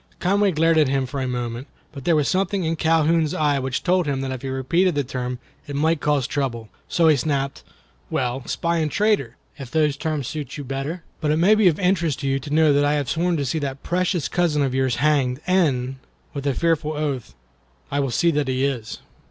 Conway glared at him for a moment, but there was something in Calhoun's eye which told him that if he repeated the term it might cause trouble, so he snapped: "Well, spy and traitor, if those terms suit you better; but it may be of interest to you to know that I have sworn to see that precious cousin of yours hanged, and"—with a fearful oath—"I will see that he is."